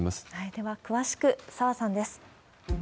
では、詳しく、澤さんです。